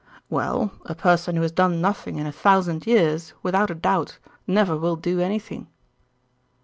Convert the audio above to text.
"Well, a person who has done nothing in a thousand years, without a doubt, never will do anything."